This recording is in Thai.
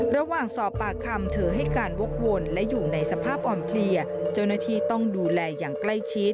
ระหว่างสอบปากคำเธอให้การวกวนและอยู่ในสภาพอ่อนเพลียเจ้าหน้าที่ต้องดูแลอย่างใกล้ชิด